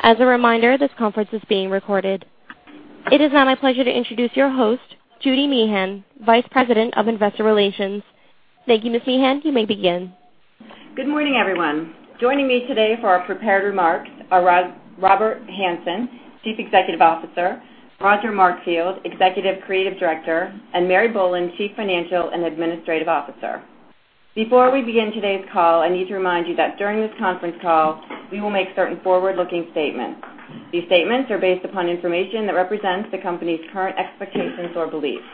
As a reminder, this conference is being recorded. It is now my pleasure to introduce your host, Judy Meehan, Vice President of Investor Relations. Thank you, Ms. Meehan. You may begin. Good morning, everyone. Joining me today for our prepared remarks are Robert Hanson, Chief Executive Officer, Roger Markfield, Executive Creative Director, and Mary Boland, Chief Financial and Administrative Officer. Before we begin today's call, I need to remind you that during this conference call, we will make certain forward-looking statements. These statements are based upon information that represents the company's current expectations or beliefs.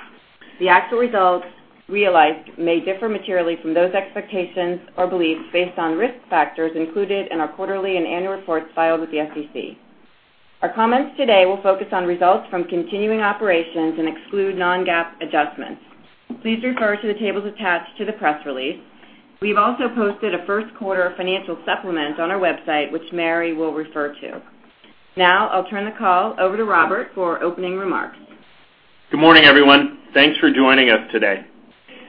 The actual results realized may differ materially from those expectations or beliefs based on risk factors included in our quarterly and annual reports filed with the SEC. Our comments today will focus on results from continuing operations and exclude non-GAAP adjustments. Please refer to the tables attached to the press release. We've also posted a first quarter financial supplement on our website, which Mary will refer to. I'll turn the call over to Robert for opening remarks. Good morning, everyone. Thanks for joining us today.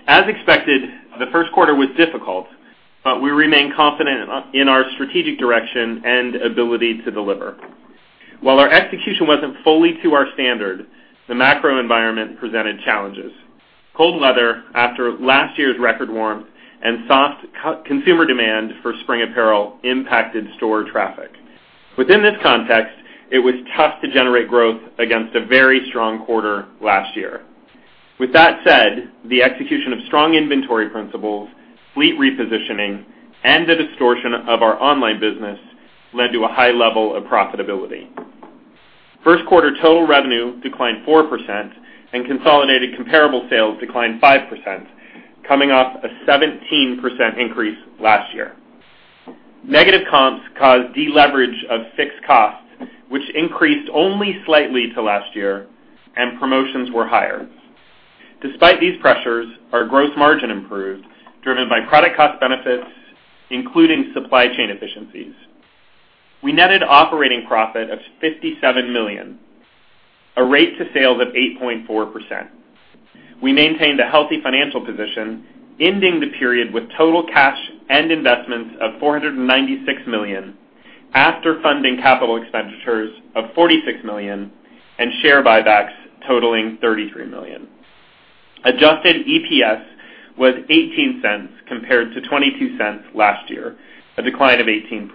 As expected, the first quarter was difficult, but we remain confident in our strategic direction and ability to deliver. While our execution wasn't fully to our standard, the macro environment presented challenges. Cold weather after last year's record warmth and soft consumer demand for spring apparel impacted store traffic. Within this context, it was tough to generate growth against a very strong quarter last year. With that said, the execution of strong inventory principles, fleet repositioning, and the distortion of our online business led to a high level of profitability. First quarter total revenue declined 4% and consolidated comparable sales declined 5%, coming off a 17% increase last year. Negative comps caused deleverage of fixed costs, which increased only slightly to last year, and promotions were higher. Despite these pressures, our gross margin improved, driven by product cost benefits, including supply chain efficiencies. We netted operating profit of $57 million, a rate to sales of 8.4%. We maintained a healthy financial position, ending the period with total cash and investments of $496 million after funding capital expenditures of $46 million and share buybacks totaling $33 million. Adjusted EPS was $0.18 compared to $0.22 last year, a decline of 18%.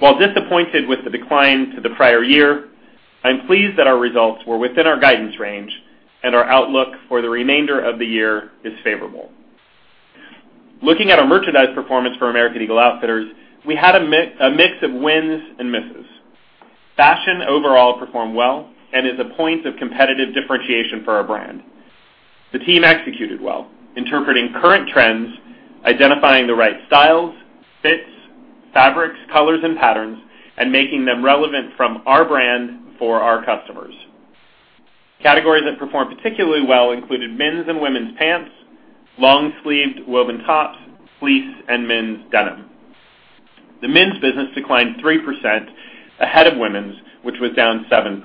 While disappointed with the decline to the prior year, I'm pleased that our results were within our guidance range, and our outlook for the remainder of the year is favorable. Looking at our merchandise performance for American Eagle Outfitters, we had a mix of wins and misses. Fashion overall performed well and is a point of competitive differentiation for our brand. The team executed well, interpreting current trends, identifying the right styles, fits, fabrics, colors, and patterns, and making them relevant from our brand for our customers. Categories that performed particularly well included men's and women's pants, long-sleeved woven tops, fleece, and men's denim. The men's business declined 3%, ahead of women's, which was down 7%.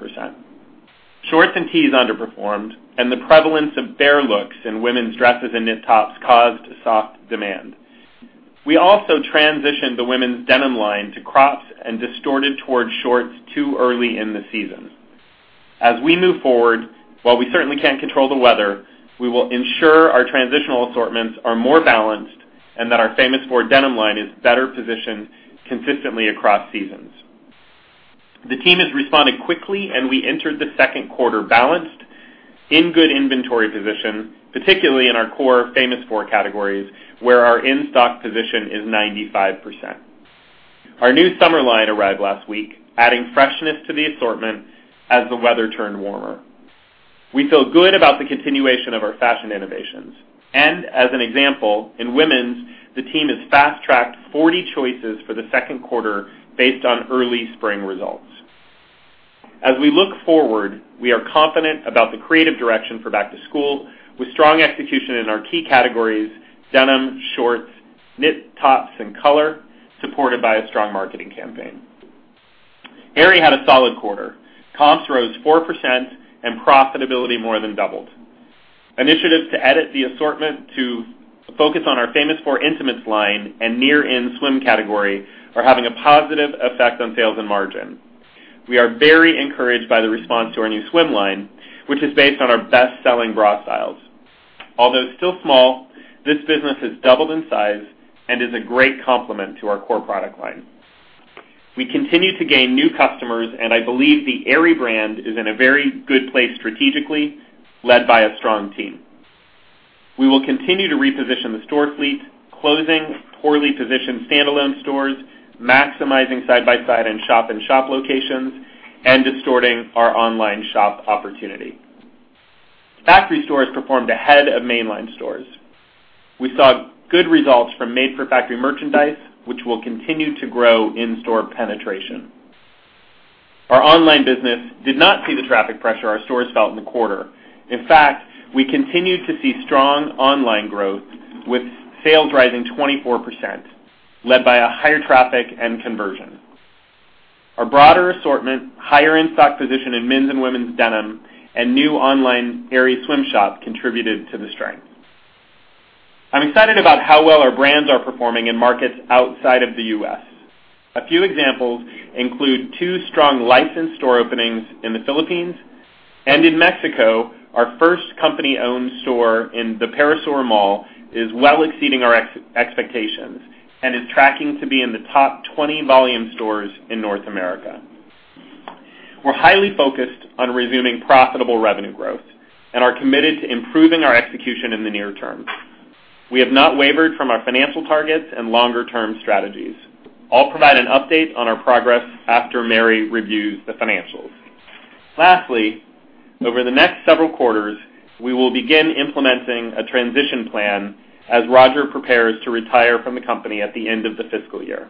Shorts and tees underperformed, and the prevalence of bare looks in women's dresses and knit tops caused soft demand. We also transitioned the women's denim line to crops and distorted towards shorts too early in the season. As we move forward, while we certainly can't control the weather, we will ensure our transitional assortments are more balanced and that our Famous Four denim line is better positioned consistently across seasons. The team has responded quickly, and we entered the second quarter balanced, in good inventory position, particularly in our core Famous Four categories, where our in-stock position is 95%. Our new summer line arrived last week, adding freshness to the assortment as the weather turned warmer. As an example, in women's, the team has fast-tracked 40 choices for the second quarter based on early spring results. As we look forward, we are confident about the creative direction for back to school, with strong execution in our key categories, denim, shorts, knit tops, and color, supported by a strong marketing campaign. Aerie had a solid quarter. Comps rose 4% and profitability more than doubled. Initiatives to edit the assortment to focus on our Famous Four intimates line and near-in swim category are having a positive effect on sales and margin. We are very encouraged by the response to our new swim line, which is based on our best-selling bra styles. Although still small, this business has doubled in size and is a great complement to our core product line. We continue to gain new customers, and I believe the Aerie brand is in a very good place strategically, led by a strong team. We will continue to reposition the store fleet, closing poorly positioned standalone stores, maximizing side-by-side and shop-in-shop locations, and distorting our online shop opportunity. Factory stores performed ahead of mainline stores. We saw good results from Made For Factory merchandise, which will continue to grow in-store penetration. Our online business did not see the traffic pressure our stores felt in the quarter. In fact, we continued to see strong online growth with sales rising 24%, led by a higher traffic and conversion. Our broader assortment, higher in-stock position in men's and women's denim, and new online Aerie swim shop contributed to the strength. I'm excited about how well our brands are performing in markets outside of the U.S. A few examples include two strong licensed store openings in the Philippines and in Mexico, our first company-owned store in the Perisur Mall is well exceeding our expectations and is tracking to be in the top 20 volume stores in North America. We're highly focused on resuming profitable revenue growth and are committed to improving our execution in the near term. We have not wavered from our financial targets and longer-term strategies. I'll provide an update on our progress after Mary reviews the financials. Lastly, over the next several quarters, we will begin implementing a transition plan as Roger prepares to retire from the company at the end of the fiscal year.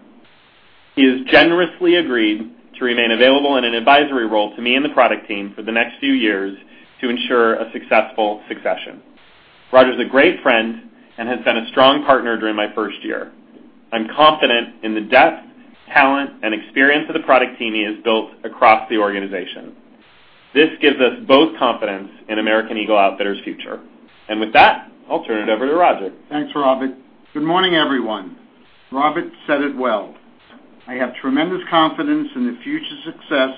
He has generously agreed to remain available in an advisory role to me and the product team for the next few years to ensure a successful succession. Roger is a great friend and has been a strong partner during my first year. I'm confident in the depth, talent, and experience of the product team he has built across the organization. This gives us both confidence in American Eagle Outfitters' future. With that, I'll turn it over to Roger. Thanks, Robert. Good morning, everyone. Robert said it well. I have tremendous confidence in the future success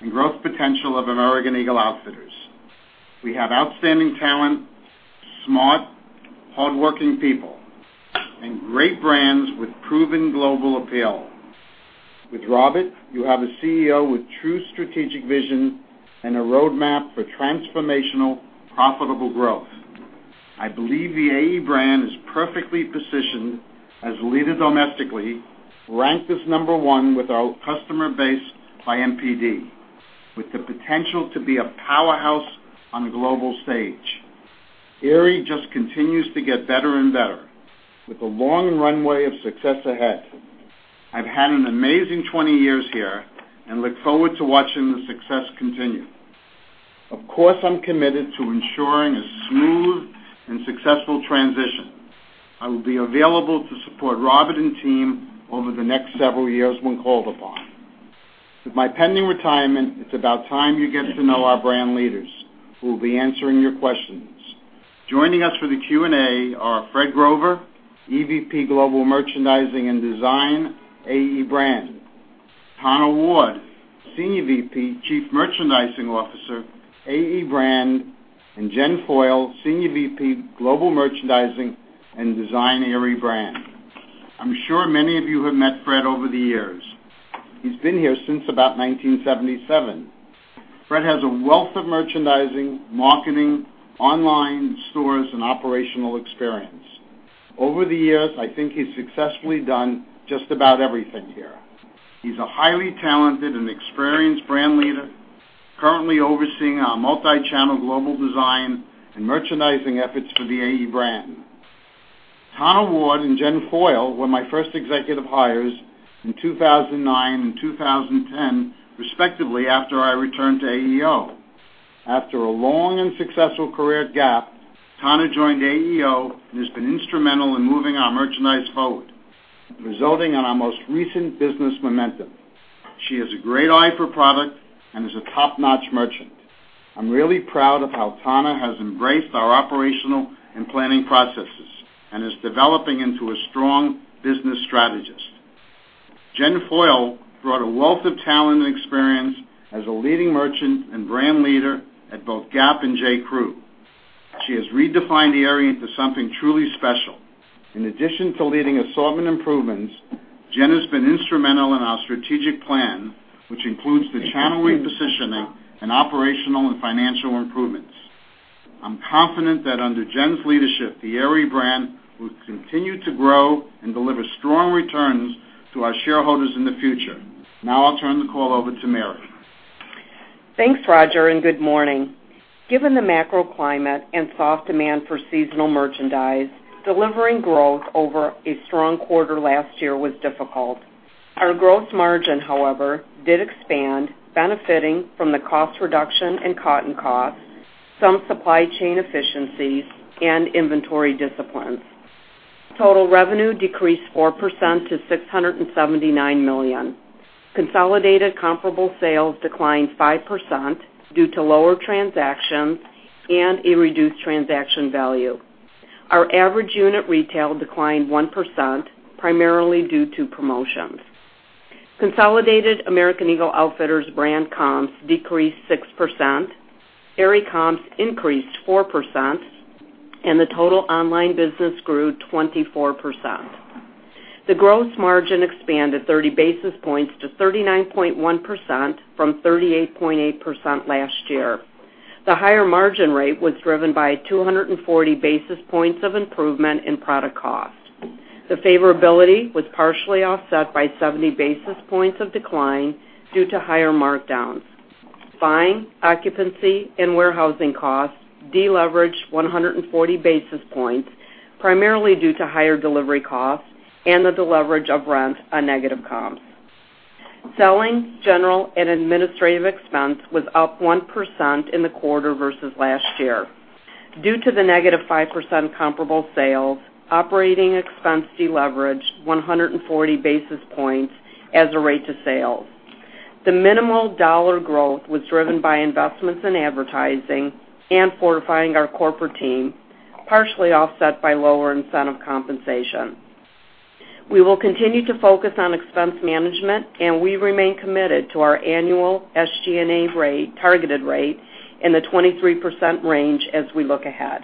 and growth potential of American Eagle Outfitters. We have outstanding talent, smart, hardworking people, and great brands with proven global appeal. With Robert, you have a CEO with true strategic vision and a roadmap for transformational, profitable growth. I believe the AE brand is perfectly positioned as leader domestically, ranked as number 1 with our customer base by NPD, with the potential to be a powerhouse on the global stage. Aerie just continues to get better and better with a long runway of success ahead. I've had an amazing 20 years here and look forward to watching the success continue. Of course, I'm committed to ensuring a smooth and successful transition. I will be available to support Robert and team over the next several years when called upon. With my pending retirement, it's about time you get to know our brand leaders who will be answering your questions. Joining us for the Q&A are Fred Grover, EVP, Global Merchandising and Design, AE brand. Tana Ward, Senior VP, Chief Merchandising Officer, AE brand, and Jen Foyle, Senior VP, Global Merchandising and Design, Aerie brand. I'm sure many of you have met Fred over the years. He's been here since about 1977. Fred has a wealth of merchandising, marketing, online stores, and operational experience. Over the years, I think he's successfully done just about everything here. He's a highly talented and experienced brand leader, currently overseeing our multi-channel global design and merchandising efforts for the AE brand. Tana Ward and Jen Foyle were my first executive hires in 2009 and 2010, respectively, after I returned to AEO. After a long and successful career at Gap, Tana joined AEO and has been instrumental in moving our merchandise forward, resulting in our most recent business momentum. She has a great eye for product and is a top-notch merchant. I'm really proud of how Tana has embraced our operational and planning processes and is developing into a strong business strategist. Jen Foyle brought a wealth of talent and experience as a leading merchant and brand leader at both Gap and J.Crew. She has redefined the Aerie into something truly special. In addition to leading assortment improvements, Jen has been instrumental in our strategic plan, which includes the channeling positioning and operational and financial improvements. I'm confident that under Jen's leadership, the Aerie brand will continue to grow and deliver strong returns to our shareholders in the future. Now I'll turn the call over to Mary. Thanks, Roger, and good morning. Given the macro climate and soft demand for seasonal merchandise, delivering growth over a strong quarter last year was difficult. Our gross margin, however, did expand, benefiting from the cost reduction in cotton costs, some supply chain efficiencies, and inventory disciplines. Total revenue decreased 4% to $679 million. Consolidated comparable sales declined 5% due to lower transactions and a reduced transaction value. Our average unit retail declined 1%, primarily due to promotions. Consolidated American Eagle Outfitters brand comps decreased 6%, Aerie comps increased 4%, and the total online business grew 24%. The gross margin expanded 30 basis points to 39.1% from 38.8% last year. The higher margin rate was driven by 240 basis points of improvement in product cost. The favorability was partially offset by 70 basis points of decline due to higher markdowns. Buying, occupancy, and warehousing costs deleveraged 140 basis points, primarily due to higher delivery costs and the deleverage of rent on negative comps. Selling, general, and administrative expense was up 1% in the quarter versus last year. Due to the negative 5% comparable sales, operating expense deleveraged 140 basis points as a rate to sales. The minimal dollar growth was driven by investments in advertising and fortifying our corporate team, partially offset by lower incentive compensation. We will continue to focus on expense management, and we remain committed to our annual SG&A targeted rate in the 23% range as we look ahead.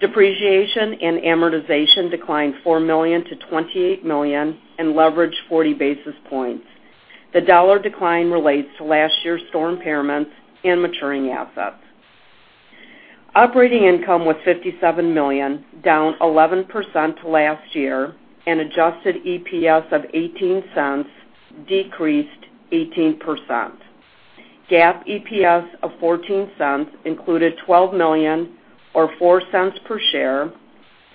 Depreciation and amortization declined $4 million to $28 million and leveraged 40 basis points. The dollar decline relates to last year's store impairments and maturing assets. Operating income was $57 million, down 11% to last year, and adjusted EPS of $0.18 decreased 18%. GAAP EPS of $0.14 included $12 million or $0.04 per share,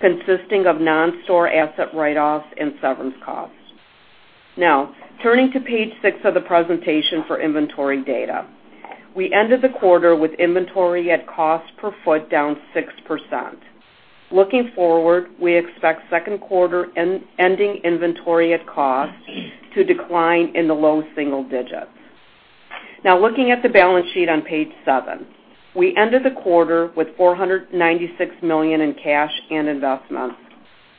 consisting of non-store asset write-offs and severance costs. Turning to page six of the presentation for inventory data. We ended the quarter with inventory at cost per foot down 6%. Looking forward, we expect second quarter ending inventory at cost to decline in the low single digits. Looking at the balance sheet on page seven. We ended the quarter with $496 million in cash and investments.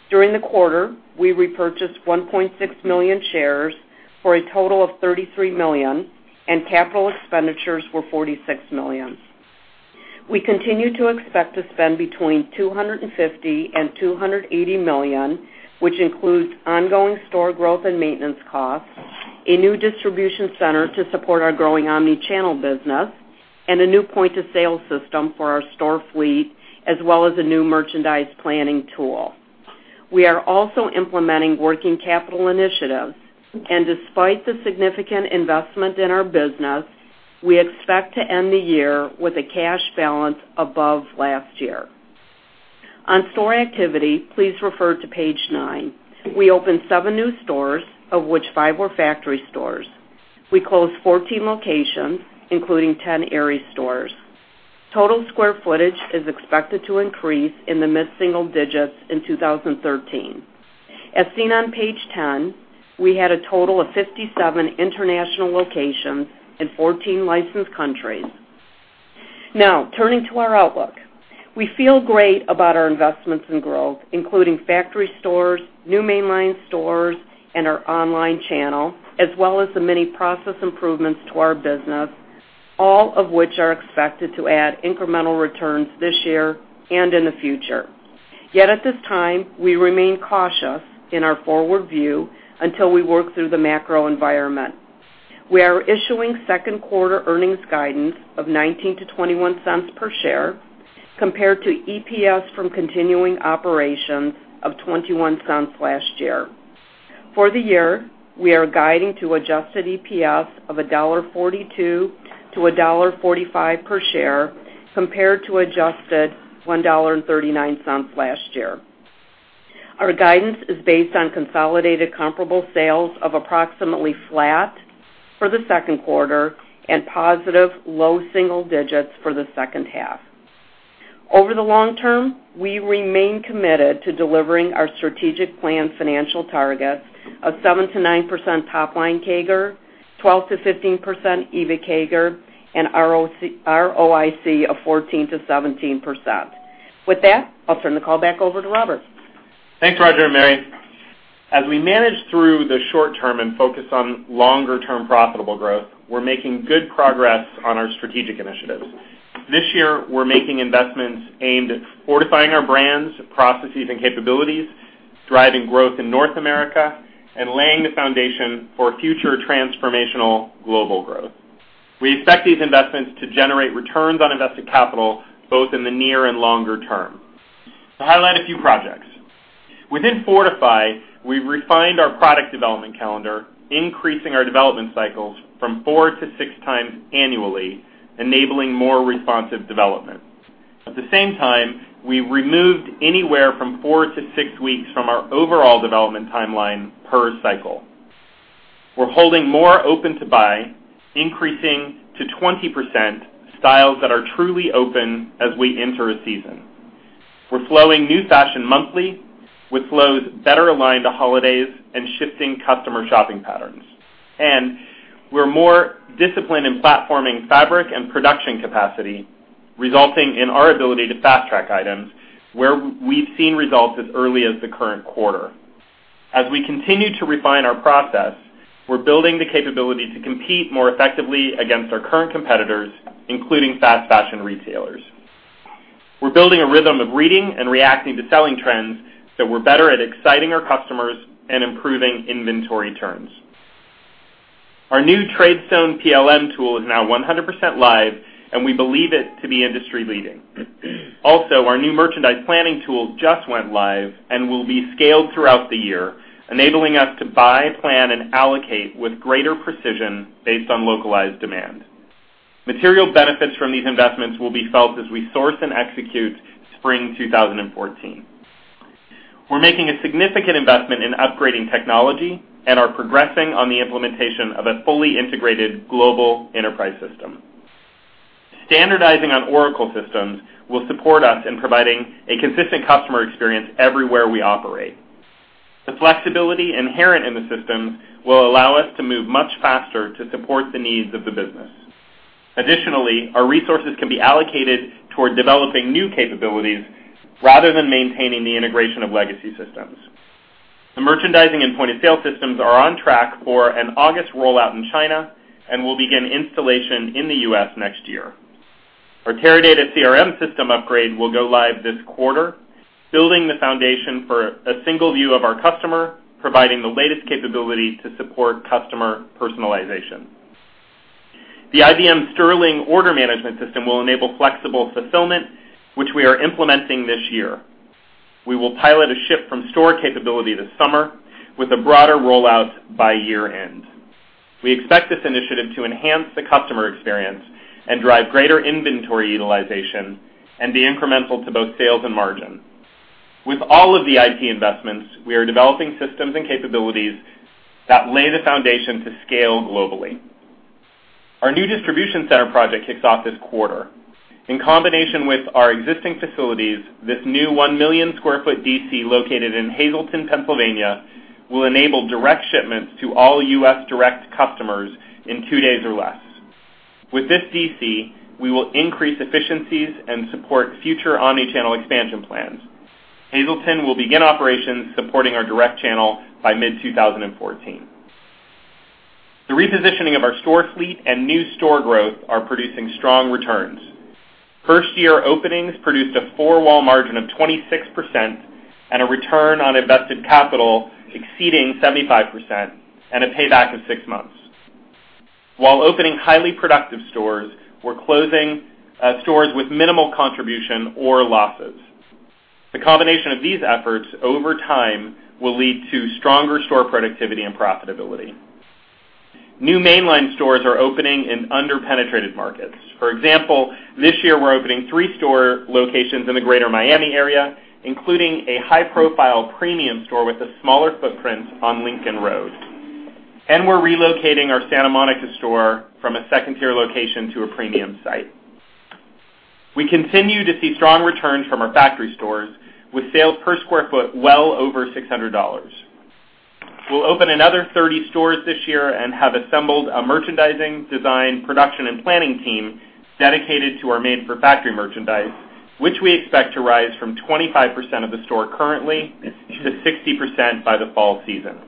During the quarter, we repurchased 1.6 million shares for a total of $33 million, and capital expenditures were $46 million. We continue to expect to spend between $250 million and $280 million, which includes ongoing store growth and maintenance costs, a new distribution center to support our growing omni-channel business, and a new point-of-sale system for our store fleet, as well as a new merchandise planning tool. We are also implementing working capital initiatives, and despite the significant investment in our business, we expect to end the year with a cash balance above last year. On store activity, please refer to page nine. We opened seven new stores, of which five were factory stores. We closed 14 locations, including 10 Aerie stores. Total square footage is expected to increase in the mid-single digits in 2013. As seen on page 10, we had a total of 57 international locations in 14 licensed countries. Turning to our outlook. We feel great about our investments in growth, including factory stores, new mainline stores, and our online channel, as well as the many process improvements to our business, all of which are expected to add incremental returns this year and in the future. At this time, we remain cautious in our forward view until we work through the macro environment. We are issuing second quarter earnings guidance of $0.19 to $0.21 per share compared to EPS from continuing operations of $0.21 last year. For the year, we are guiding to adjusted EPS of $1.42 to $1.45 per share, compared to adjusted $1.39 last year. Our guidance is based on consolidated comparable sales of approximately flat for the second quarter and positive low single digits for the second half. Over the long term, we remain committed to delivering our strategic plan financial targets of 7%-9% top-line CAGR, 12%-15% EBIT CAGR, and ROIC of 14%-17%. With that, I'll turn the call back over to Robert. Thanks, Roger and Mary. As we manage through the short-term and focus on longer-term profitable growth, we're making good progress on our strategic initiatives. This year, we're making investments aimed at fortifying our brands, processes, and capabilities, driving growth in North America, and laying the foundation for future transformational global growth. We expect these investments to generate returns on invested capital, both in the near and longer term. To highlight a few projects. Within Fortify, we refined our product development calendar, increasing our development cycles from four to six times annually, enabling more responsive development. At the same time, we removed anywhere from four to six weeks from our overall development timeline per cycle. We're holding more open to buy, increasing to 20% styles that are truly open as we enter a season. We're flowing new fashion monthly with flows better aligned to holidays and shifting customer shopping patterns. We're more disciplined in platforming fabric and production capacity, resulting in our ability to fast-track items where we've seen results as early as the current quarter. As we continue to refine our process, we're building the capability to compete more effectively against our current competitors, including fast fashion retailers. We're building a rhythm of reading and reacting to selling trends so we're better at exciting our customers and improving inventory turns. Our new TradeStone PLM tool is now 100% live, and we believe it to be industry-leading. Our new merchandise planning tool just went live and will be scaled throughout the year, enabling us to buy, plan, and allocate with greater precision based on localized demand. Material benefits from these investments will be felt as we source and execute Spring 2014. We're making a significant investment in upgrading technology and are progressing on the implementation of a fully integrated global enterprise system. Standardizing on Oracle systems will support us in providing a consistent customer experience everywhere we operate. The flexibility inherent in the system will allow us to move much faster to support the needs of the business. Additionally, our resources can be allocated toward developing new capabilities rather than maintaining the integration of legacy systems. The merchandising and point-of-sale systems are on track for an August rollout in China and will begin installation in the U.S. next year. Our Teradata CRM system upgrade will go live this quarter, building the foundation for a single view of our customer, providing the latest capability to support customer personalization. The IBM Sterling Order Management System will enable flexible fulfillment, which we are implementing this year. We will pilot a ship from store capability this summer with a broader rollout by year-end. We expect this initiative to enhance the customer experience and drive greater inventory utilization and be incremental to both sales and margin. With all of the IT investments, we are developing systems and capabilities that lay the foundation to scale globally. Our new distribution center project kicks off this quarter. In combination with our existing facilities, this new 1 million sq ft DC located in Hazleton, Pennsylvania, will enable direct shipments to all U.S. direct customers in two days or less. With this DC, we will increase efficiencies and support future omni-channel expansion plans. Hazleton will begin operations supporting our direct channel by mid-2014. The repositioning of our store fleet and new store growth are producing strong returns. First-year openings produced a four-wall margin of 26% and a return on invested capital exceeding 75%, and a payback of six months. While opening highly productive stores, we're closing stores with minimal contribution or losses. The combination of these efforts over time will lead to stronger store productivity and profitability. New mainline stores are opening in under-penetrated markets. For example, this year we're opening three store locations in the greater Miami area, including a high-profile premium store with a smaller footprint on Lincoln Road. We're relocating our Santa Monica store from a second-tier location to a premium site. We continue to see strong returns from our factory stores with sales per square foot well over $600. We'll open another 30 stores this year and have assembled a merchandising design, production, and planning team dedicated to our Made For Factory merchandise, which we expect to rise from 25% of the store currently to 60% by the fall season.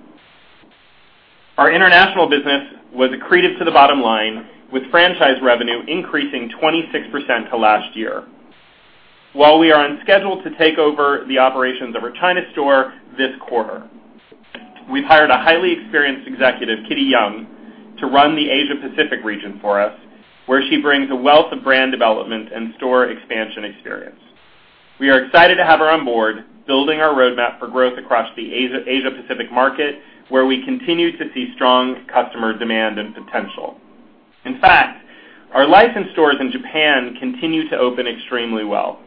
Our international business was accretive to the bottom line, with franchise revenue increasing 26% to last year. While we are on schedule to take over the operations of our China store this quarter, we've hired a highly experienced executive, Kitty Yung, to run the Asia Pacific region for us, where she brings a wealth of brand development and store expansion experience. We are excited to have her on board, building our roadmap for growth across the Asia Pacific market, where we continue to see strong customer demand and potential. In fact, our licensed stores in Japan continue to open extremely well.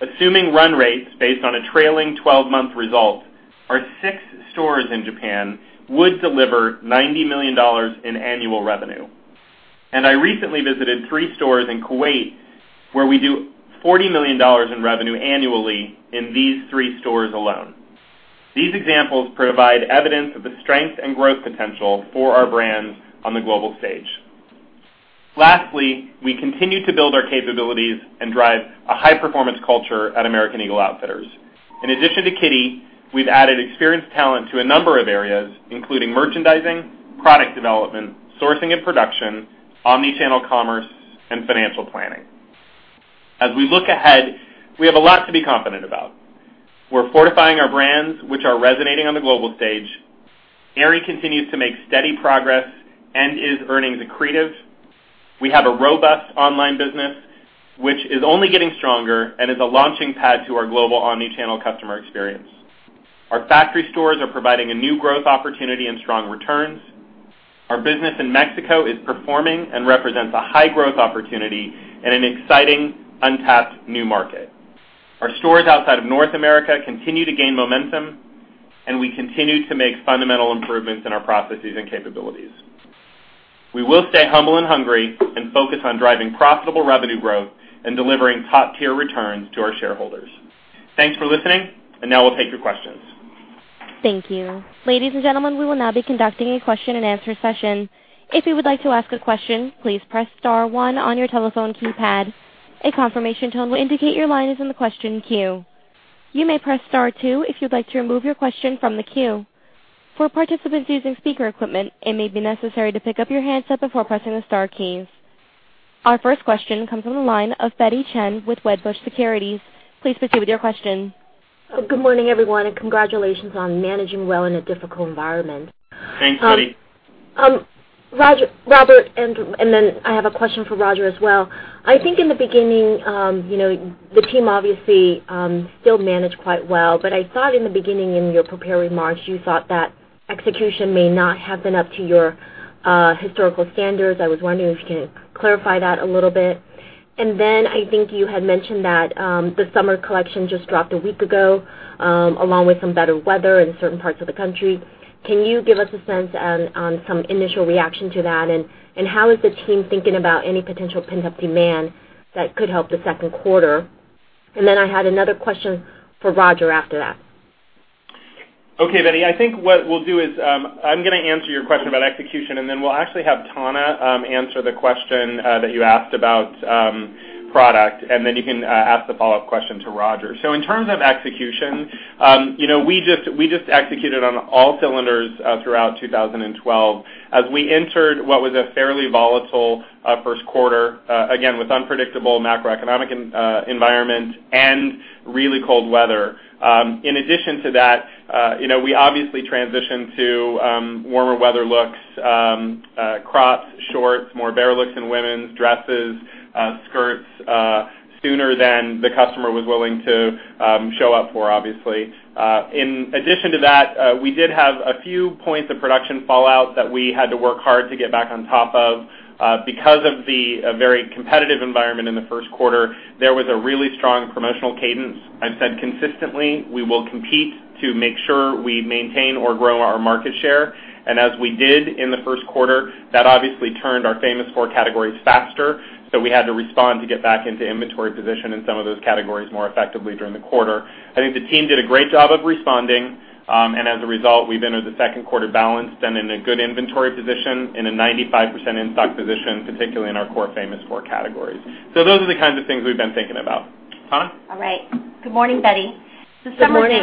Assuming run rates based on a trailing 12-month result, our six stores in Japan would deliver $90 million in annual revenue. I recently visited three stores in Kuwait, where we do $40 million in revenue annually in these three stores alone. These examples provide evidence of the strength and growth potential for our brands on the global stage. Lastly, we continue to build our capabilities and drive a high-performance culture at American Eagle Outfitters. In addition to Kitty, we've added experienced talent to a number of areas, including merchandising, product development, sourcing and production, omni-channel commerce, and financial planning. As we look ahead, we have a lot to be confident about. We're fortifying our brands, which are resonating on the global stage. Aerie continues to make steady progress and is earnings accretive. We have a robust online business, which is only getting stronger and is a launching pad to our global omni-channel customer experience. Our factory stores are providing a new growth opportunity and strong returns. Our business in Mexico is performing and represents a high-growth opportunity in an exciting, untapped new market. Our stores outside of North America continue to gain momentum, and we continue to make fundamental improvements in our processes and capabilities. We will stay humble and hungry and focus on driving profitable revenue growth and delivering top-tier returns to our shareholders. Thanks for listening, and now we'll take your questions. Thank you. Ladies and gentlemen, we will now be conducting a question and answer session. If you would like to ask a question, please press star one on your telephone keypad. A confirmation tone will indicate your line is in the question queue. You may press star two if you'd like to remove your question from the queue. For participants using speaker equipment, it may be necessary to pick up your handset before pressing the star keys. Our first question comes from the line of Betty Chen with Wedbush Securities. Please proceed with your question. Good morning, everyone, and congratulations on managing well in a difficult environment. Thanks, Betty. Robert, I have a question for Roger as well. I think in the beginning, the team obviously still managed quite well, I thought in the beginning in your prepared remarks, you thought that execution may not have been up to your historical standards. I was wondering if you could clarify that a little bit. I think you had mentioned that the summer collection just dropped a week ago along with some better weather in certain parts of the country. Can you give us a sense on some initial reaction to that, and how is the team thinking about any potential pent-up demand that could help the second quarter? I had another question for Roger after that. Okay, Betty. I think what we'll do is, I'm going to answer your question about execution, we'll actually have Tana answer the question that you asked about product. You can ask the follow-up question to Roger. In terms of execution, we just executed on all cylinders throughout 2012 as we entered what was a fairly volatile first quarter, again, with unpredictable macroeconomic environment and really cold weather. In addition to that, we obviously transitioned to warmer weather looks, crops, shorts, more bare looks in women's, dresses, skirts, sooner than the customer was willing to show up for, obviously. In addition to that, we did have a few points of production fallout that we had to work hard to get back on top of. Because of the very competitive environment in the first quarter, there was a really strong promotional cadence. I've said consistently, we will compete to make sure we maintain or grow our market share. As we did in the first quarter, that obviously turned our Famous Four categories faster, we had to respond to get back into inventory position in some of those categories more effectively during the quarter. I think the team did a great job of responding, and as a result, we've entered the second quarter balanced and in a good inventory position, in a 95% in-stock position, particularly in our core Famous Four categories. Those are the kinds of things we've been thinking about. Tana? All right. Good morning, Betty. Good morning.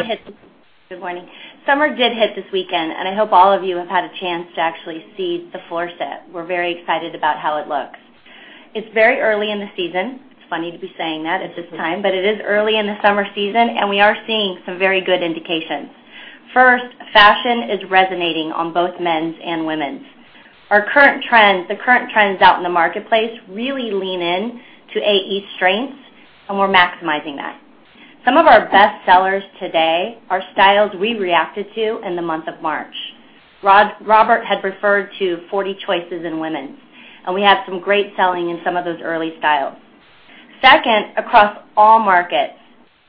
Good morning. Summer did hit this weekend. I hope all of you have had a chance to actually see the floor set. We're very excited about how it looks. It's very early in the season. It's funny to be saying that at this time. It is early in the summer season, we are seeing some very good indications. First, fashion is resonating on both men's and women's. The current trends out in the marketplace really lean in to AE's strengths. We're maximizing that. Some of our best sellers today are styles we reacted to in the month of March. Robert had referred to 40 choices in women's. We had some great selling in some of those early styles. Second, across all markets,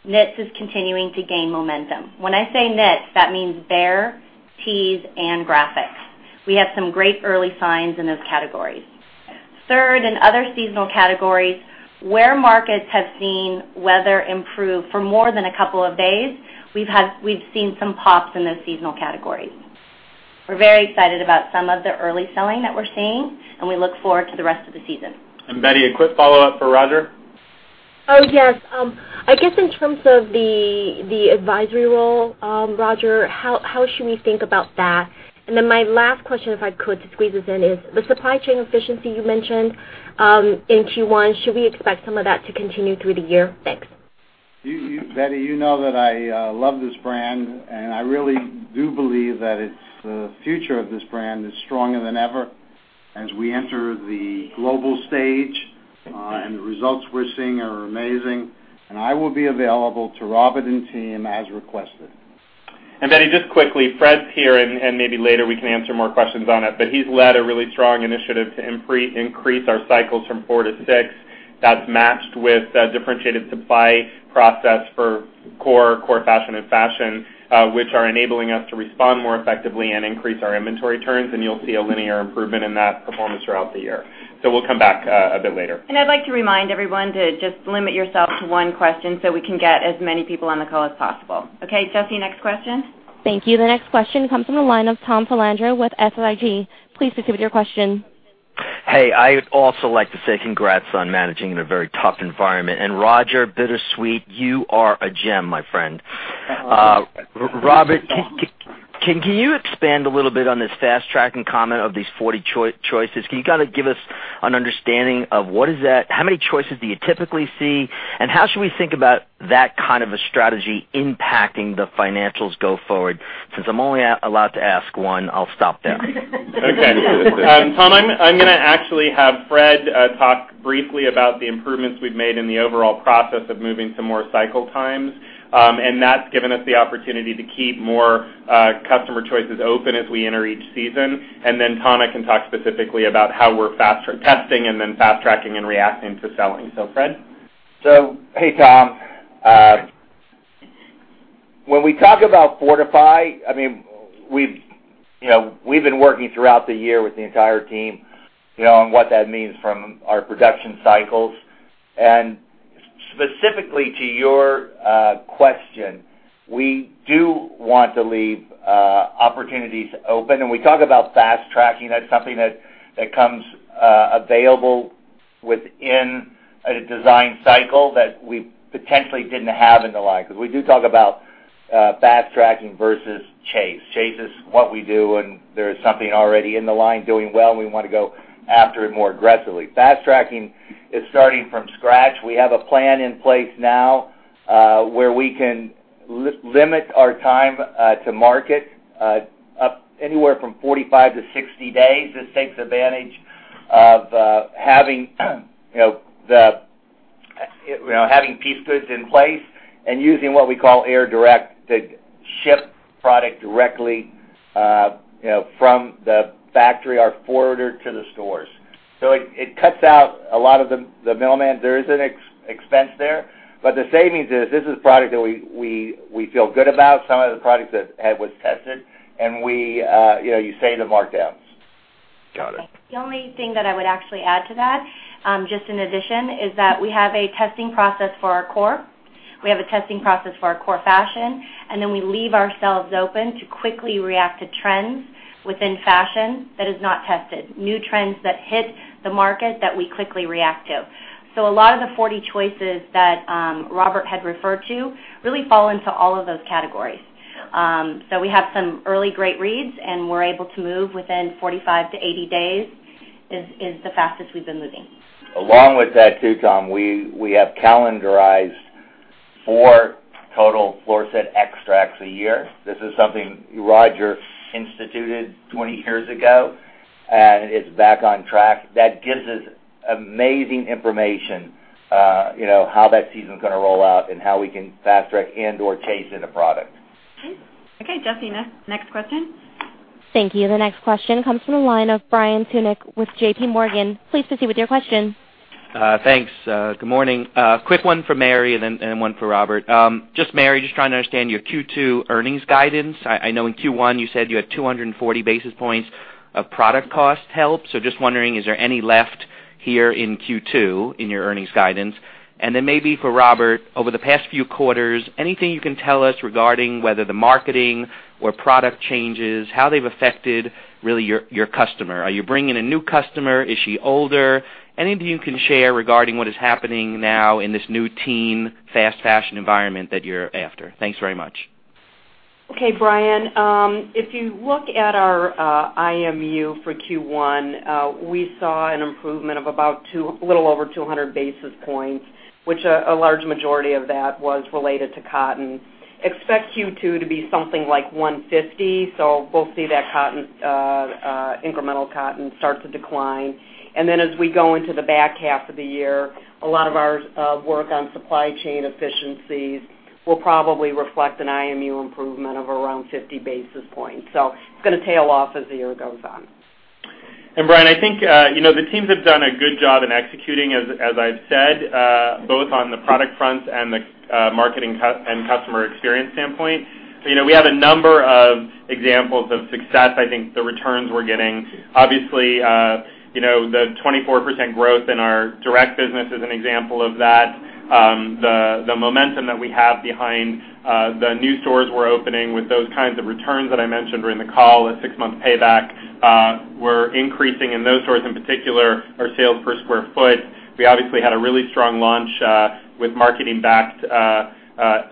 knits is continuing to gain momentum. When I say knits, that means bare, tees, and graphics. We have some great early signs in those categories. Third, in other seasonal categories, where markets have seen weather improve for more than a couple of days, we've seen some pops in those seasonal categories. We're very excited about some of the early selling that we're seeing. We look forward to the rest of the season. Betty, a quick follow-up for Roger. Oh, yes. I guess in terms of the advisory role, Roger, how should we think about that? My last question, if I could squeeze this in, is the supply chain efficiency you mentioned in Q1, should we expect some of that to continue through the year? Thanks. Betty, you know that I love this brand, I really do believe that the future of this brand is stronger than ever as we enter the global stage, the results we're seeing are amazing. I will be available to Robert and team as requested. Betty, just quickly, Fred's here, and maybe later we can answer more questions on it. He's led a really strong initiative to increase our cycles from four to six. That's matched with differentiated supply process for core fashion, and fashion, which are enabling us to respond more effectively and increase our inventory turns, and you'll see a linear improvement in that performance throughout the year. We'll come back a bit later. I'd like to remind everyone to just limit yourself to one question so we can get as many people on the call as possible. Okay, Jesse, next question. Thank you. The next question comes from the line of Tom Salandra with SSIG. Please proceed with your question. Hey. I would also like to say congrats on managing in a very tough environment. Roger, bittersweet, you are a gem, my friend. Oh. Robert, can you expand a little bit on this fast-tracking comment of these 40 choices? Can you give us an understanding of what is that, how many choices do you typically see, and how should we think about that kind of a strategy impacting the financials go forward? Since I'm only allowed to ask one, I'll stop there. Okay. Tom, I'm gonna actually have Fred talk briefly about the improvements we've made in the overall process of moving to more cycle times, and that's given us the opportunity to keep more customer choices open as we enter each season. Tana can talk specifically about how we're fast testing and then fast-tracking and reacting to selling. Fred? Hey, Tom. When we talk about Fortify, we've been working throughout the year with the entire team, and what that means from our production cycles. Specifically to your question, we do want to leave opportunities open. We talk about fast-tracking. That's something that comes available within a design cycle that we potentially didn't have in the line. We do talk about fast-tracking versus chase. Chase is what we do when there is something already in the line doing well, and we want to go after it more aggressively. Fast-tracking is starting from scratch. We have a plan in place now where we can limit our time to market up anywhere from 45 to 60 days. This takes advantage of having piece goods in place and using what we call air direct to ship product directly from the factory or forwarder to the stores. It cuts out a lot of the middleman. There is an expense there, but the savings is, this is product that we feel good about, some of the products that was tested, and you save the markdowns. Got it. The only thing that I would actually add to that, just in addition, is that we have a testing process for our core. We have a testing process for our core fashion. We leave ourselves open to quickly react to trends within fashion that is not tested. New trends that hit the market that we quickly react to. A lot of the 40 choices that Robert had referred to really fall into all of those categories. We have some early great reads, and we're able to move within 45 days-80 days, is the fastest we've been moving. Along with that, too, Tom, we have calendarized four total floor set extracts a year. This is something Roger instituted 20 years ago, and it's back on track. That gives us amazing information, how that season's going to roll out and how we can fast track and/or chase into product. Jesse, next question. Thank you. The next question comes from the line of Brian Tunick with JPMorgan. Please proceed with your question. Thanks. Good morning. Quick one for Mary and then one for Robert. Just Mary, just trying to understand your Q2 earnings guidance. I know in Q1 you said you had 240 basis points of product cost help. Just wondering, is there any left here in Q2 in your earnings guidance? Maybe for Robert, over the past few quarters, anything you can tell us regarding whether the marketing or product changes, how they've affected really your customer. Are you bringing a new customer? Is she older? Anything you can share regarding what is happening now in this new teen, fast fashion environment that you're after? Thanks very much. Okay, Brian. If you look at our IMU for Q1, we saw an improvement of about a little over 200 basis points, which a large majority of that was related to cotton. Expect Q2 to be something like 150, we'll see that incremental cotton start to decline. As we go into the back half of the year, a lot of our work on supply chain efficiencies will probably reflect an IMU improvement of around 50 basis points. It's going to tail off as the year goes on. Brian, I think the teams have done a good job in executing, as I've said, both on the product front and the marketing and customer experience standpoint. We have a number of examples of success. I think the returns we're getting. Obviously, the 24% growth in our direct business is an example of that. The momentum that we have behind the new stores we're opening with those kinds of returns that I mentioned during the call, a 6-month payback. We're increasing in those stores, in particular, our sales per square foot. We obviously had a really strong launch with marketing backed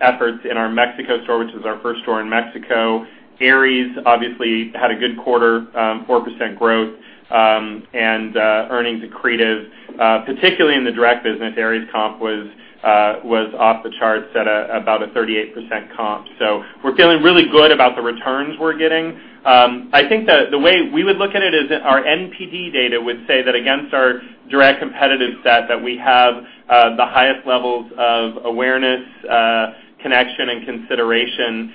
efforts in our Mexico store, which was our first store in Mexico. Aerie's obviously had a good quarter, 4% growth, and earnings accretive. Particularly in the direct business, Aerie's comp was off the charts at about a 38% comp. We're feeling really good about the returns we're getting. I think that the way we would look at it is that our NPD data would say that against our direct competitive set, that we have the highest levels of awareness, connection, and consideration.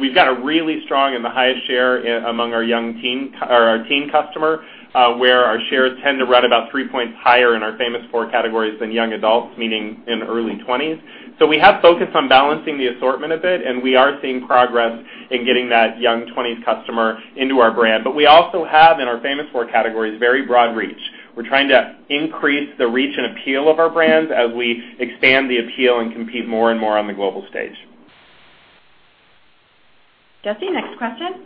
We've got a really strong and the highest share among our teen customer, where our shares tend to run about 3 points higher in our Famous Four categories than young adults, meaning in early 20s. We have focused on balancing the assortment a bit, and we are seeing progress in getting that young 20s customer into our brand. We also have, in our Famous Four categories, very broad reach. We're trying to increase the reach and appeal of our brands as we expand the appeal and compete more and more on the global stage. Jesse, next question.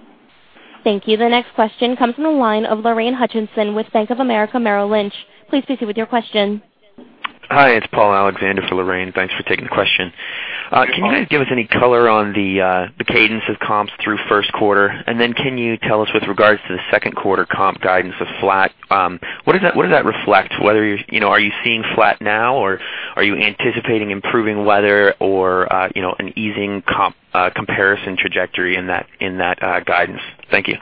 Thank you. The next question comes from the line of Lorraine Hutchinson with Bank of America Merrill Lynch. Please proceed with your question. Hi, it's Paul Alexander for Lorraine. Thanks for taking the question. No problem. Can you guys give us any color on the cadence of comps through first quarter? Then can you tell us with regards to the second quarter comp guidance of flat, what does that reflect? Are you seeing flat now or are you anticipating improving weather or an easing comparison trajectory in that guidance? Thank you.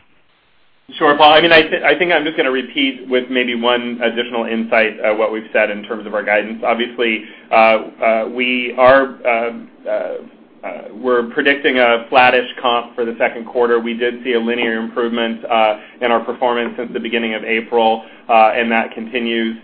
Sure, Paul. I think I'm just going to repeat with maybe one additional insight, what we've said in terms of our guidance. Obviously, we're predicting a flattish comp for the second quarter. We did see a linear improvement in our performance since the beginning of April, that continues.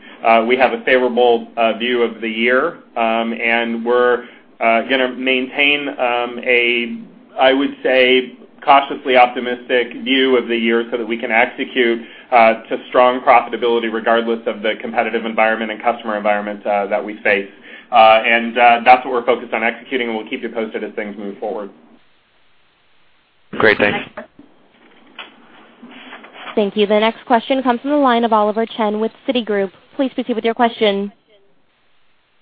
We have a favorable view of the year, we're going to maintain a, I would say, cautiously optimistic view of the year so that we can execute to strong profitability regardless of the competitive environment and customer environment that we face. That's what we're focused on executing, and we'll keep you posted as things move forward. Great. Thanks. Thank you. The next question comes from the line of Oliver Chen with Citigroup. Please proceed with your question.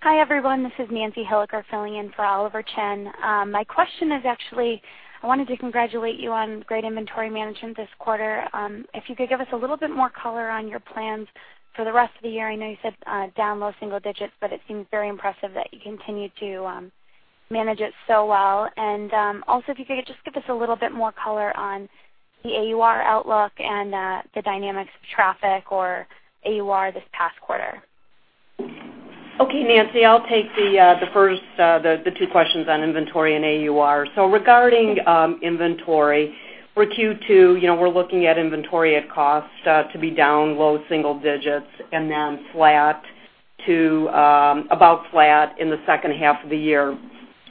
Hi, everyone. This is Nancy Hilliker filling in for Oliver Chen. My question is actually, I wanted to congratulate you on great inventory management this quarter. If you could give us a little bit more color on your plans for the rest of the year. I know you said down low single digits, it seems very impressive that you continue to manage it so well. Also if you could just give us a little bit more color on the AUR outlook and the dynamics of traffic or AUR this past quarter. Okay, Nancy, I'll take the first of the two questions on inventory and AUR. Regarding inventory for Q2, we're looking at inventory at cost to be down low single digits and then about flat in the second half of the year.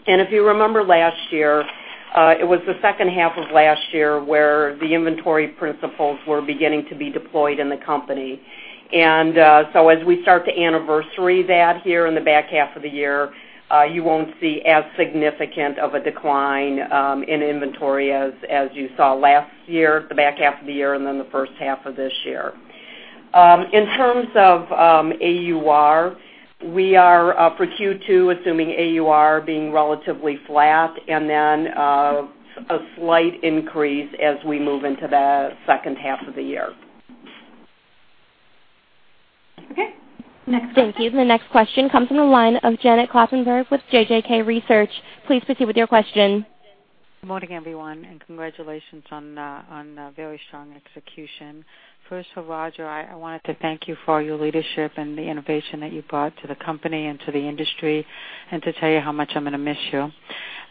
If you remember last year, it was the second half of last year where the inventory principles were beginning to be deployed in the company. As we start to anniversary that here in the back half of the year, you won't see as significant of a decline in inventory as you saw last year, the back half of the year and then the first half of this year. In terms of AUR, we are for Q2 assuming AUR being relatively flat and then a slight increase as we move into the second half of the year. Okay. Next question. Thank you. The next question comes from the line of Janet Kloppenburg with JJK Research. Please proceed with your question. Good morning, everyone, congratulations on a very strong execution. First for Roger, I wanted to thank you for your leadership and the innovation that you brought to the company and to the industry, to tell you how much I'm going to miss you.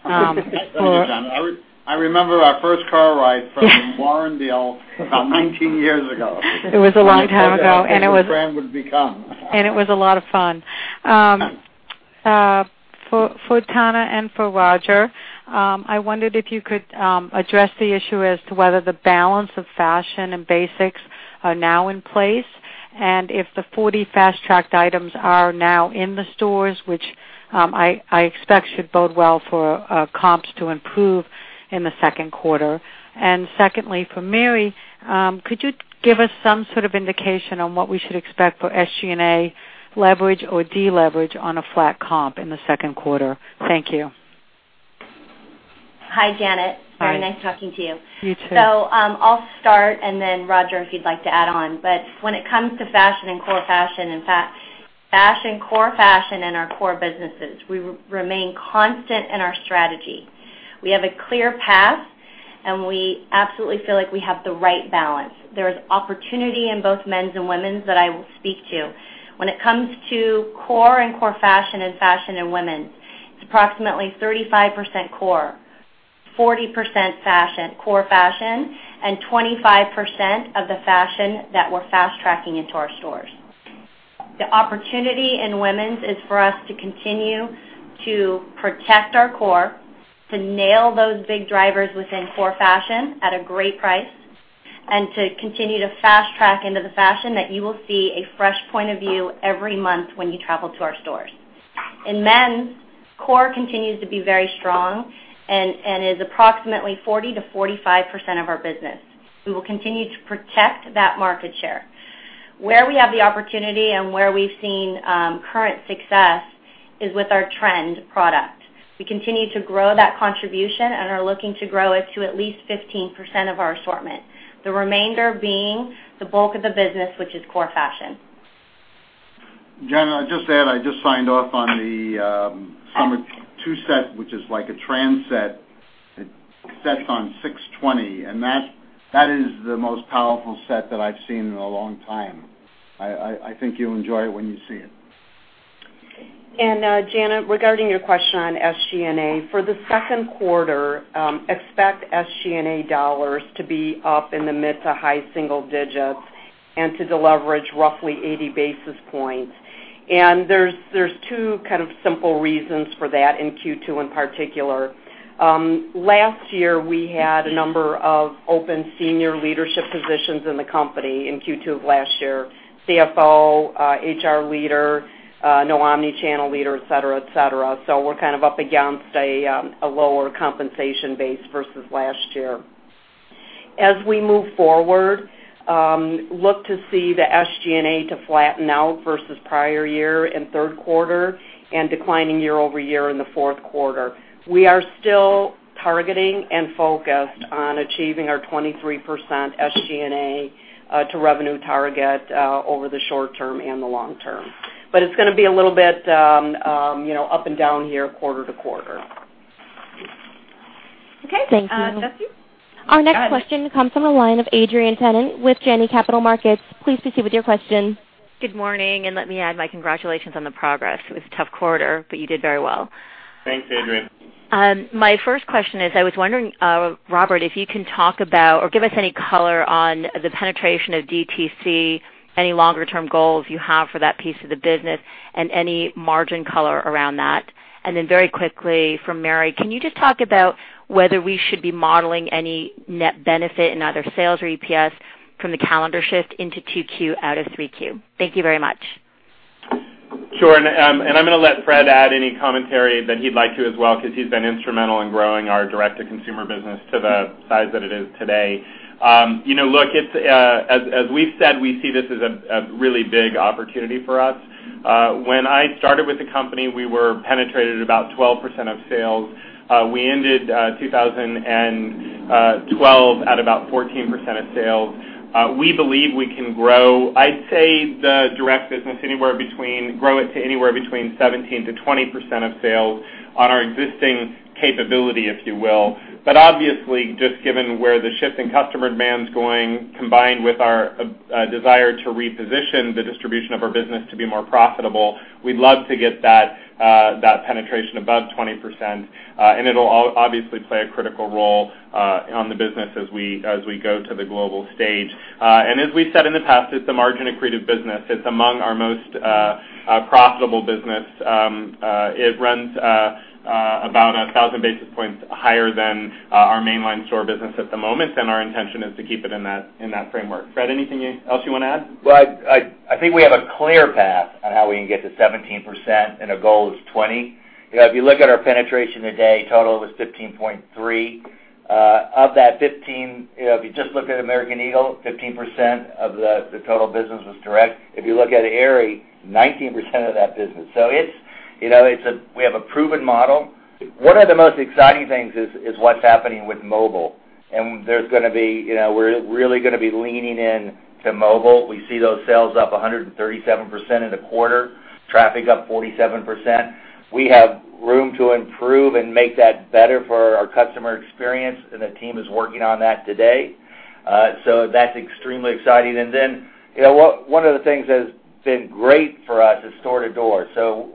Thank you, Janet. I remember our first car ride from Warrendale about 19 years ago. It was a long time ago. What a friend you would become. It was a lot of fun. For Tana and for Roger, I wondered if you could address the issue as to whether the balance of fashion and basics are now in place, and if the 40 fast-tracked items are now in the stores, which I expect should bode well for comps to improve in the second quarter. Secondly, for Mary, could you give us some sort of indication on what we should expect for SG&A leverage or deleverage on a flat comp in the second quarter? Thank you. Hi, Janet. Hi. Very nice talking to you. You, too. I'll start and then Roger, if you'd like to add on. When it comes to fashion and core fashion, in fact, fashion, core fashion, and our core businesses, we remain constant in our strategy. We have a clear path, and we absolutely feel like we have the right balance. There is opportunity in both men's and women's that I will speak to. When it comes to core and core fashion and fashion in women, it's approximately 35% core, 40% core fashion, and 25% of the fashion that we're fast-tracking into our stores. The opportunity in women's is for us to continue to protect our core, to nail those big drivers within core fashion at a great price, and to continue to fast-track into the fashion that you will see a fresh point of view every month when you travel to our stores. In men's, core continues to be very strong and is approximately 40%-45% of our business. We will continue to protect that market share. Where we have the opportunity and where we've seen current success is with our trend product. We continue to grow that contribution and are looking to grow it to at least 15% of our assortment, the remainder being the bulk of the business, which is core fashion. Janet, I'll just add, I just signed off on the summer two set, which is like a trend set. It sets on June 20. That is the most powerful set that I've seen in a long time. I think you'll enjoy it when you see it. Janet, regarding your question on SG&A, for the second quarter, expect SG&A dollars to be up in the mid to high single digits and to deleverage roughly 80 basis points. There's two kind of simple reasons for that in Q2 in particular. Last year, we had a number of open senior leadership positions in the company in Q2 of last year: CFO, HR leader, no omni-channel leader, et cetera. We're kind of up against a lower compensation base versus last year. As we move forward, look to see the SG&A to flatten out versus prior year in third quarter and declining year-over-year in the fourth quarter. We are still targeting and focused on achieving our 23% SG&A to revenue target over the short term and the long term. It's going to be a little bit up and down here quarter to quarter. Okay. Thank you. Jessica. Our next question comes from the line of Adrienne Tennant with Janney Capital Markets. Please proceed with your question. Good morning. Let me add my congratulations on the progress. It was a tough quarter, but you did very well. Thanks, Adrienne. My first question is, I was wondering, Robert, if you can talk about or give us any color on the penetration of DTC, any longer-term goals you have for that piece of the business, and any margin color around that. Then very quickly for Mary, can you just talk about whether we should be modeling any net benefit in either sales or EPS from the calendar shift into 2Q out of 3Q? Thank you very much. Sure. I'm going to let Fred add any commentary that he'd like to as well because he's been instrumental in growing our direct-to-consumer business to the size that it is today. Look, as we've said, we see this as a really big opportunity for us. When I started with the company, we were penetrated about 12% of sales. We ended 2012 at about 14% of sales. We believe we can grow, I'd say, the direct business, grow it to anywhere between 17%-20% of sales on our existing capability, if you will. Obviously, just given where the shift in customer demand's going, combined with our desire to reposition the distribution of our business to be more profitable, we'd love to get that penetration above 20%, and it'll obviously play a critical role on the business as we go to the global stage. As we've said in the past, it's a margin-accretive business. It's among our most profitable business. It runs about 1,000 basis points higher than our mainline store business at the moment, and our intention is to keep it in that framework. Fred, anything else you want to add? Well, I think we have a clear path on how we can get to 17%, and our goal is 20%. If you look at our penetration today, total was 15.3%. Of that 15%, if you just look at American Eagle, 15% of the total business was direct. If you look at Aerie, 19% of that business. We have a proven model. One of the most exciting things is what's happening with mobile. We're really going to be leaning into mobile. We see those sales up 137% in a quarter, traffic up 47%. We have room to improve and make that better for our customer experience, and the team is working on that today. That's extremely exciting. Then, one of the things that has been great for us is store-to-door.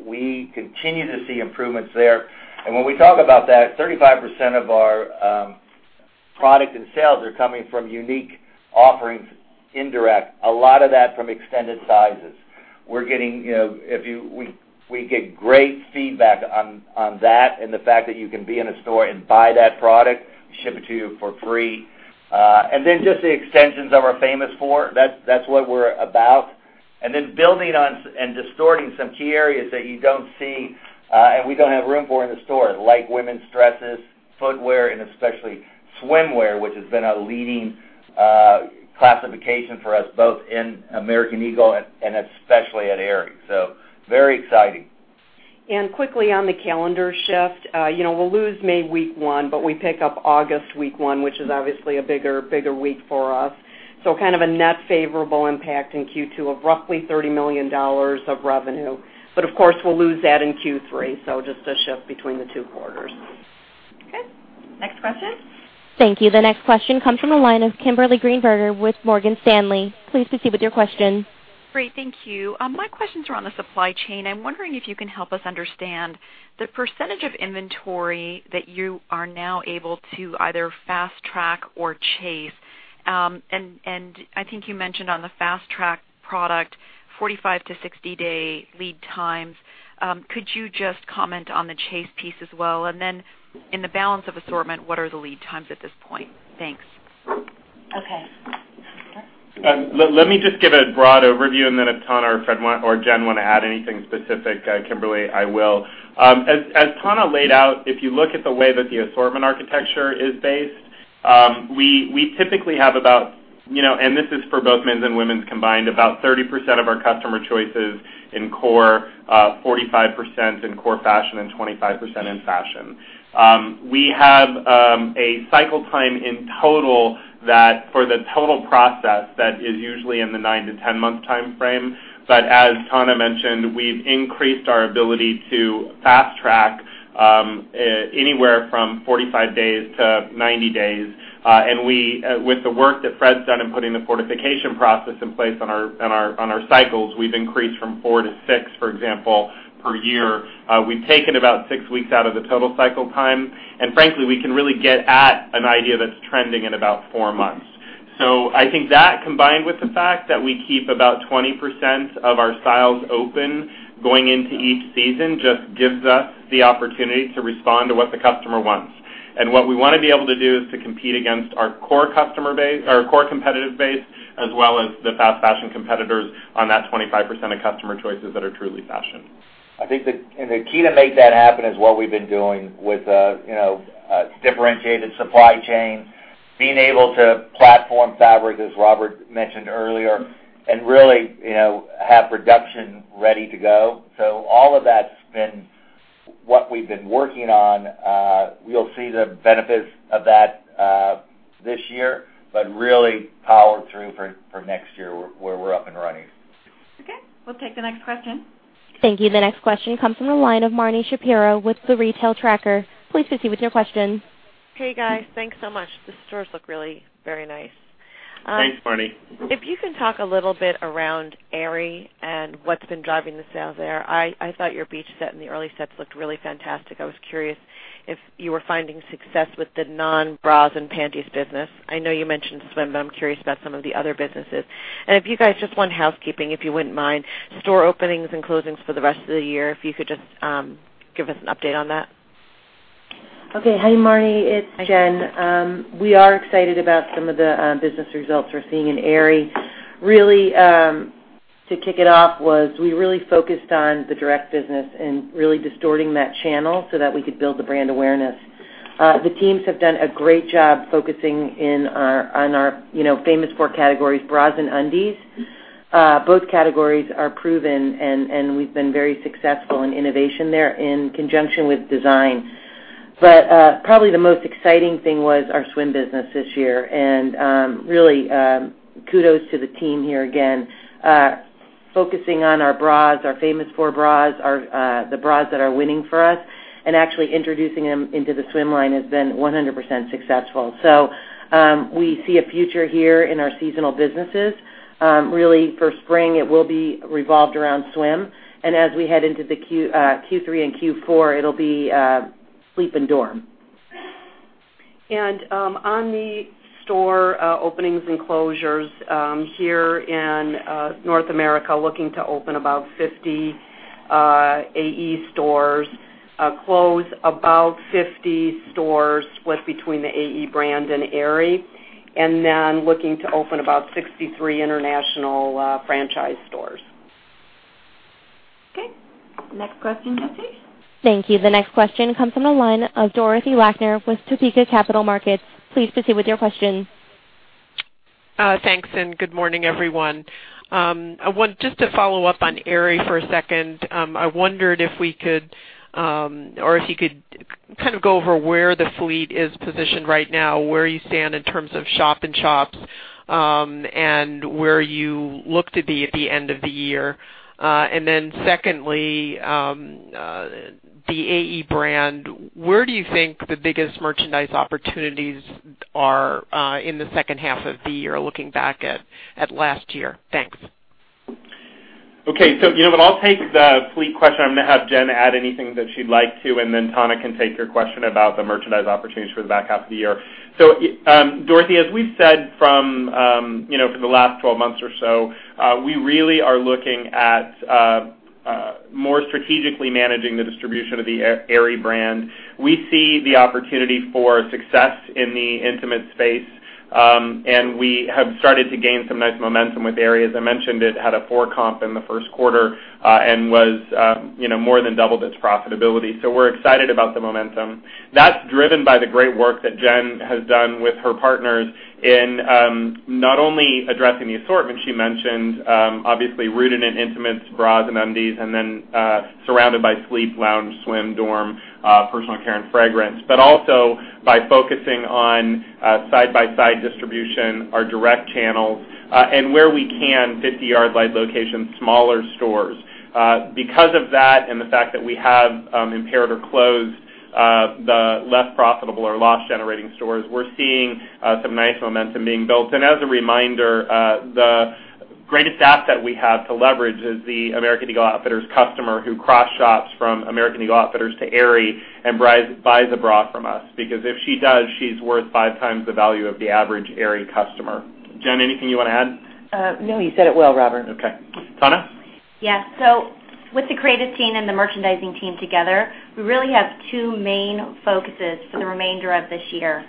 We continue to see improvements there. When we talk about that, 35% of our product and sales are coming from unique offerings in direct, a lot of that from extended sizes. We get great feedback on that and the fact that you can be in a store and buy that product, ship it to you for free. Then just the extensions of our Famous Four. That's what we're about. Then building on and distorting some key areas that you don't see, and we don't have room for in the store, like women's dresses, footwear, and especially swimwear, which has been a leading classification for us both in American Eagle and especially at Aerie. Very exciting. Quickly on the calendar shift. We'll lose May week one, we pick up August week one, which is obviously a bigger week for us. Kind of a net favorable impact in Q2 of roughly $30 million of revenue. Of course, we'll lose that in Q3, just a shift between the two quarters. Okay. Next question. Thank you. The next question comes from the line of Kimberly Greenberger with Morgan Stanley. Please proceed with your question. Great. Thank you. My questions are on the supply chain. I'm wondering if you can help us understand the percentage of inventory that you are now able to either fast track or chase. I think you mentioned on the fast-track product, 45-60 day lead times. Could you just comment on the chase piece as well? Then in the balance of assortment, what are the lead times at this point? Thanks. Okay, Robert. Let me just give a broad overview, then if Tana or Fred or Jen want to add anything specific, Kimberly, I will. As Tana laid out, if you look at the way that the assortment architecture is based, we typically have about, this is for both men's and women's combined, about 30% of our customer choices in core, 45% in core fashion, and 25% in fashion. We have a cycle time in total that for the total process, that is usually in the 9- to 10-month timeframe. As Tana mentioned, we've increased our ability to fast track anywhere from 45 days to 90 days. With the work that Fred's done in putting the fortification process in place on our cycles, we've increased from four to six, for example, per year. We've taken about six weeks out of the total cycle time. Frankly, we can really get at an idea that's trending in about four months. I think that combined with the fact that we keep about 20% of our styles open going into each season, just gives us the opportunity to respond to what the customer wants. What we want to be able to do is to compete against our core competitive base, as well as the fast fashion competitors on that 25% of customer choices that are truly fashion. The key to make that happen is what we've been doing with differentiated supply chain, being able to platform fabric, as Robert mentioned earlier, and really have production ready to go. All of that's been what we've been working on. We'll see the benefits of that this year, really powered through for next year where we're up and running. Okay. We'll take the next question. Thank you. The next question comes from the line of Marni Shapiro with The Retail Tracker. Please proceed with your question. Hey, guys. Thanks so much. The stores look really very nice. Thanks, Marni. If you can talk a little bit around Aerie and what's been driving the sales there. I thought your beach set and the early sets looked really fantastic. I was curious if you were finding success with the non-bras and panties business. I know you mentioned swim, I'm curious about some of the other businesses. If you guys just want housekeeping, if you wouldn't mind, store openings and closings for the rest of the year, if you could just give us an update on that. Okay. Hey, Marni. It's Jen. We are excited about some of the business results we're seeing in Aerie. Really, to kick it off was we really focused on the direct business and really distorting that channel so that we could build the brand awareness. The teams have done a great job focusing on our Famous Four categories, bras and undies. Both categories are proven, and we've been very successful in innovation there in conjunction with design. Probably the most exciting thing was our swim business this year. Really, kudos to the team here again. Focusing on our bras, our Famous Four bras, the bras that are winning for us, and actually introducing them into the swim line has been 100% successful. We see a future here in our seasonal businesses. Really for spring, it will be revolved around swim. As we head into the Q3 and Q4, it'll be sleep and dorm. On the store openings and closures here in North America, looking to open about 50 AE stores, close about 50 stores split between the AE brand and Aerie, then looking to open about 63 international franchise stores. Okay. Next question, please. Thank you. The next question comes from the line of Dorothy Lakner with Topeka Capital Markets. Please proceed with your question. Thanks. Good morning, everyone. I want just to follow up on Aerie for a second. I wondered if you could go over where the fleet is positioned right now, where you stand in terms of shop-in-shops, and where you look to be at the end of the year. Then secondly, the AE brand. Where do you think the biggest merchandise opportunities are in the second half of the year, looking back at last year? Thanks. Okay. I'll take the fleet question. I'm going to have Jen add anything that she'd like to, then Tana can take your question about the merchandise opportunities for the back half of the year. Dorothy, as we've said for the last 12 months or so, we really are looking at more strategically managing the distribution of the Aerie brand. We see the opportunity for success in the intimate space, and we have started to gain some nice momentum with Aerie. As I mentioned, it had a poor comp in the first quarter. More than doubled its profitability. We're excited about the momentum. That's driven by the great work that Jen has done with her partners in not only addressing the assortment she mentioned, obviously rooted in intimates, bras, and undies, then surrounded by sleep, lounge, swim, dorm, personal care, and fragrance. Also by focusing on side-by-side distribution, our direct channels, and where we can, 50 yard line locations, smaller stores. Because of that, and the fact that we have impaired or closed the less profitable or loss-generating stores, we're seeing some nice momentum being built. As a reminder, the greatest asset that we have to leverage is the American Eagle Outfitters customer who cross-shops from American Eagle Outfitters to Aerie and buys a bra from us. If she does, she's worth five times the value of the average Aerie customer. Jen, anything you want to add? No, you said it well, Robert. Okay. Tana? Yeah. With the creative team and the merchandising team together, we really have two main focuses for the remainder of this year.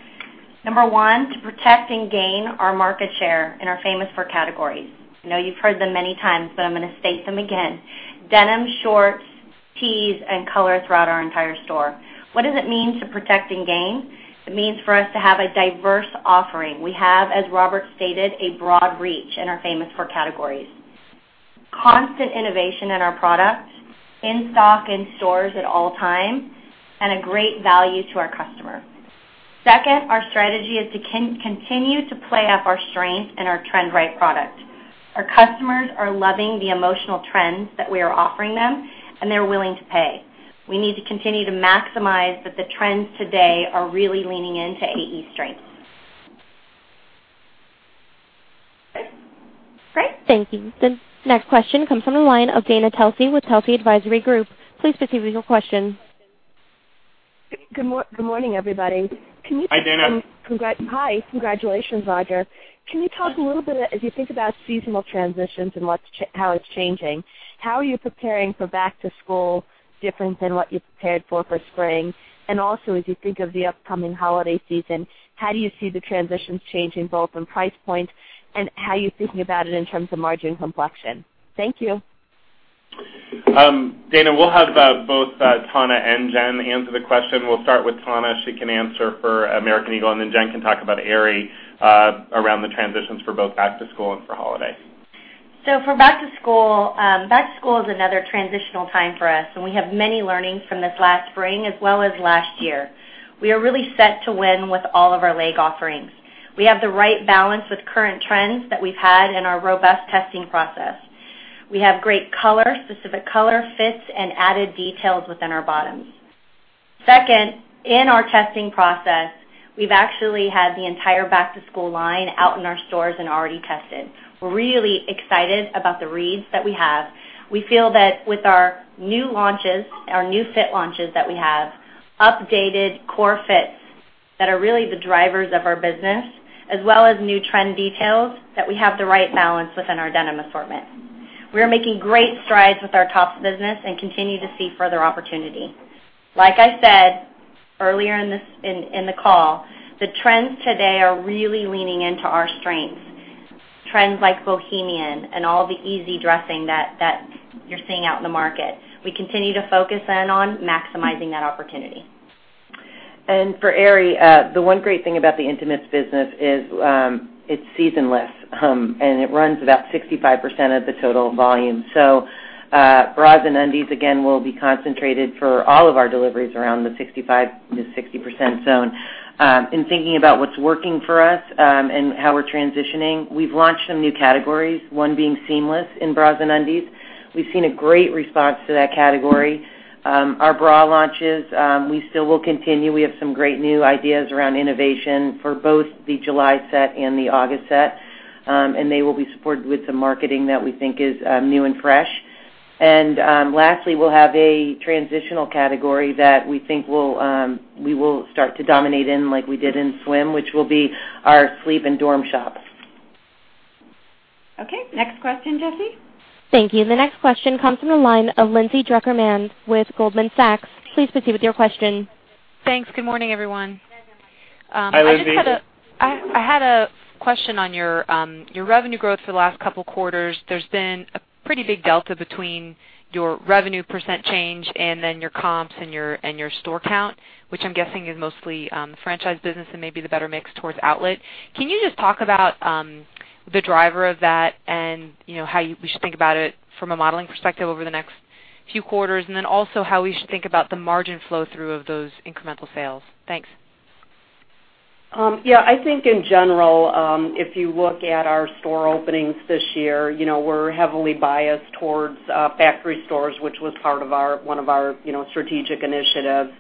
Number one, to protect and gain our market share in our Famous Four categories. I know you've heard them many times. I'm going to state them again. Denim, shorts, tees, and color throughout our entire store. What does it mean to protect and gain? It means for us to have a diverse offering. We have, as Robert stated, a broad reach in our Famous Four categories. Constant innovation in our products, in stock, in stores at all times, a great value to our customer. Second, our strategy is to continue to play up our strength in our trend-right product. Our customers are loving the emotional trends that we are offering them. They're willing to pay. We need to continue to maximize that the trends today are really leaning into AE strengths. Great. Thank you. The next question comes from the line of Dana Telsey with Telsey Advisory Group. Please proceed with your question. Good morning, everybody. Hi, Dana. Hi. Congratulations, Roger. Can you talk a little bit, as you think about seasonal transitions and how it's changing, how are you preparing for back to school different than what you prepared for spring? Also, as you think of the upcoming holiday season, how do you see the transitions changing, both in price point and how you're thinking about it in terms of margin complexion? Thank you. Dana, we'll have both Tana and Jen answer the question. We'll start with Tana. She can answer for American Eagle, and then Jen can talk about Aerie around the transitions for both back to school and for holiday. For back to school, back to school is another transitional time for us, and we have many learnings from this last spring as well as last year. We are really set to win with all of our leg offerings. We have the right balance with current trends that we've had in our robust testing process. We have great color, specific color fits, and added details within our bottoms. Second, in our testing process, we've actually had the entire back-to-school line out in our stores and already tested. We're really excited about the reads that we have. We feel that with our new fit launches that we have, updated core fits that are really the drivers of our business, as well as new trend details, that we have the right balance within our denim assortment. We are making great strides with our tops business and continue to see further opportunity. Like I said earlier in the call, the trends today are really leaning into our strengths. Trends like bohemian and all the easy dressing that you're seeing out in the market. We continue to focus in on maximizing that opportunity. For Aerie, the one great thing about the intimates business is it's season-less, and it runs about 65% of the total volume. Bras and undies, again, will be concentrated for all of our deliveries around the 65%-60% zone. In thinking about what's working for us and how we're transitioning, we've launched some new categories, one being seamless in bras and undies. We've seen a great response to that category. Our bra launches, we still will continue. We have some great new ideas around innovation for both the July set and the August set. They will be supported with some marketing that we think is new and fresh. Lastly, we'll have a transitional category that we think we will start to dominate in like we did in swim, which will be our sleep and dorm shop. Okay. Next question, Jessie. Thank you. The next question comes from the line of Lindsay Drucker Mann with Goldman Sachs. Please proceed with your question. Thanks. Good morning, everyone. Hi, Lindsay. I had a question on your revenue growth for the last couple of quarters. There's been a pretty big delta between your revenue % change and then your comps and your store count, which I'm guessing is mostly the franchise business and maybe the better mix towards outlet. Can you just talk about the driver of that and how we should think about it from a modeling perspective over the next few quarters, and then also how we should think about the margin flow through of those incremental sales. Thanks. Yeah. I think in general, if you look at our store openings this year, we're heavily biased towards factory stores, which was one of our strategic initiatives.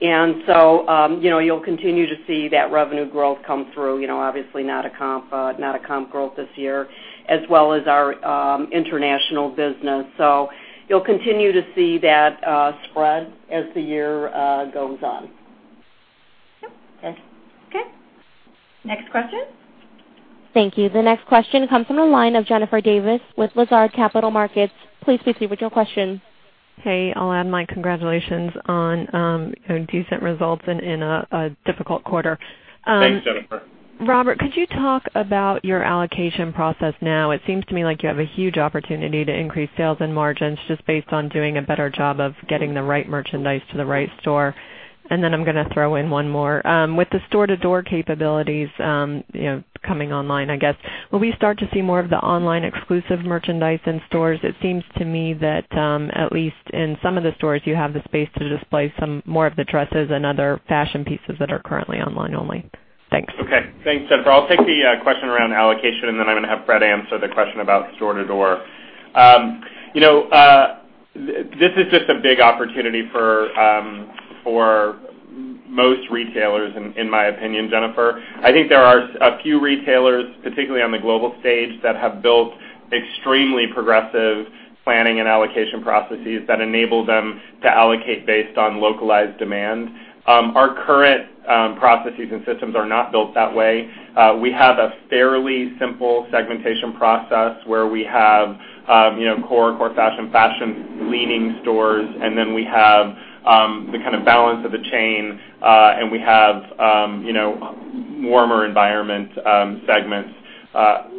You'll continue to see that revenue growth come through, obviously not a comp growth this year, as well as our international business. You'll continue to see that spread as the year goes on. Yep. Thanks. Okay. Next question. Thank you. The next question comes from the line of Jennifer Davis with Lazard Capital Markets. Please proceed with your question. Hey, I'll add my congratulations on decent results in a difficult quarter. Thanks, Jennifer. Robert, could you talk about your allocation process now? It seems to me like you have a huge opportunity to increase sales and margins just based on doing a better job of getting the right merchandise to the right store. I'm going to throw in one more. With the store-to-door capabilities coming online, I guess, will we start to see more of the online exclusive merchandise in stores? It seems to me that at least in some of the stores, you have the space to display some more of the dresses and other fashion pieces that are currently online only. Thanks. Okay. Thanks, Jennifer. I'll take the question around allocation. I'm going to have Fred answer the question about store-to-door. This is just a big opportunity for most retailers, in my opinion, Jennifer. I think there are a few retailers, particularly on the global stage, that have built extremely progressive planning and allocation processes that enable them to allocate based on localized demand. Our current processes and systems are not built that way. We have a fairly simple segmentation process where we have core fashion-leaning stores, we have the kind of balance of the chain, we have warmer environment segments.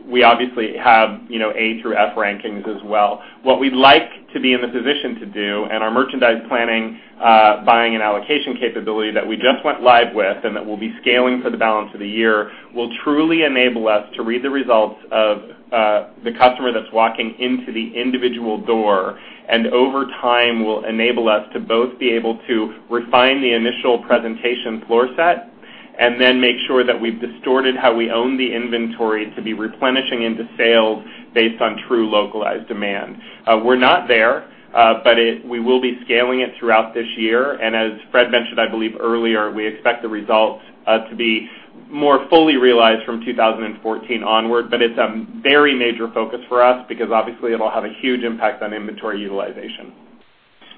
We obviously have A through F rankings as well. What we'd like to be in the position to do, our merchandise planning, buying and allocation capability that we just went live with and that we'll be scaling for the balance of the year, will truly enable us to read the results of the customer that's walking into the individual door. Over time, will enable us to both be able to refine the initial presentation floor set, make sure that we've distorted how we own the inventory to be replenishing into sales based on true localized demand. We're not there. We will be scaling it throughout this year. As Fred mentioned, I believe earlier, we expect the results to be more fully realized from 2014 onward. It's a very major focus for us because obviously it'll have a huge impact on inventory utilization.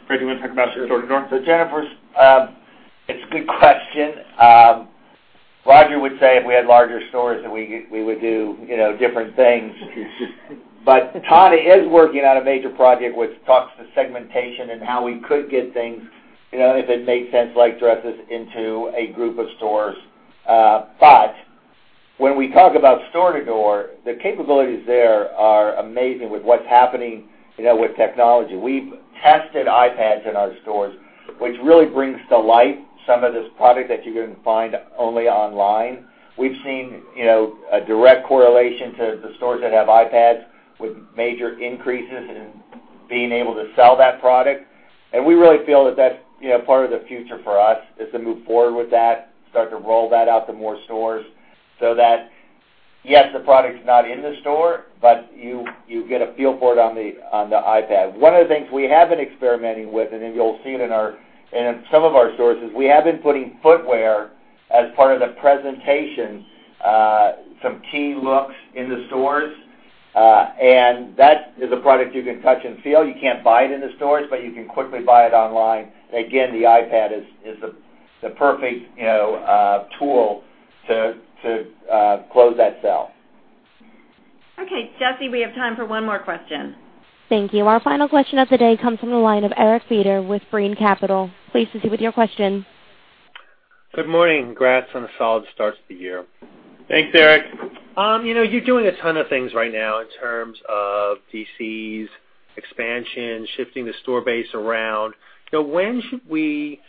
Fred, do you want to talk about store-to-door? Jennifer, it's a good question. Roger would say if we had larger stores that we would do different things. Todd is working on a major project which talks to segmentation and how we could get things, if it made sense, like dresses into a group of stores. When we talk about store-to-door, the capabilities there are amazing with what's happening with technology. We've tested iPads in our stores, which really brings to light some of this product that you can find only online. We've seen a direct correlation to the stores that have iPads with major increases in being able to sell that product. We really feel that that's part of the future for us, is to move forward with that, start to roll that out to more stores so that, yes, the product's not in the store, but you get a feel for it on the iPad. One of the things we have been experimenting with, you'll see it in some of our stores, is we have been putting footwear as part of the presentation, some key looks in the stores. That is a product you can touch and feel. You can't buy it in the stores, but you can quickly buy it online. Again, the iPad is the perfect tool to close that sale. Jessie, we have time for one more question. Thank you. Our final question of the day comes from the line of Eric Beder with Brean Capital. Please proceed with your question. Good morning. Congrats on a solid start to the year. Thanks, Eric. You're doing a ton of things right now in terms of DCs, expansion, shifting the store base around. I know we're